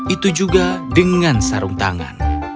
itu juga dengan sarung tangan